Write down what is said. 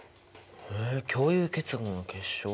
え共有結合の結晶？